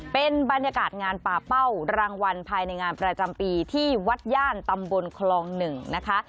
เป็นบรรยากาศงานป่าเป้ารางวัลภายในงานประจำปีที่วัดย่านตำบลคลอง๑นะคะ